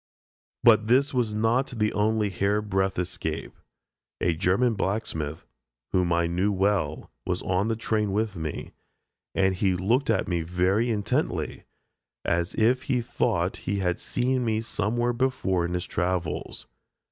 But this was not the only hair breadth escape. A German blacksmith, whom I knew well, was on the train with me, and looked at me very intently, as if he thought he had seen me somewhere before in his travels.